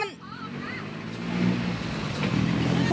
อุ้ยมัน